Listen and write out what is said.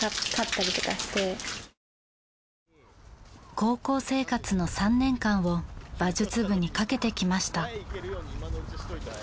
高校生活の３年間を馬術部にかけてきました。